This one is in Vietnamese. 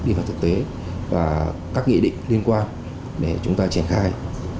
đi vào thực tế và các nghị định liên quan để chúng ta triển khai